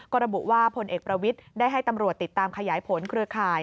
ก็ระบุว่าพลเอกประวิทย์ได้ให้ตำรวจติดตามขยายผลเครือข่าย